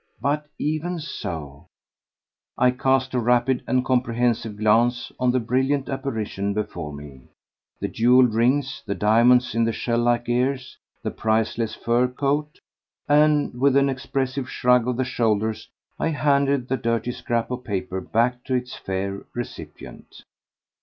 But even so ... I cast a rapid and comprehensive glance on the brilliant apparition before me—the jewelled rings, the diamonds in the shell like ears, the priceless fur coat—and with an expressive shrug of the shoulders I handed the dirty scrap of paper back to its fair recipient.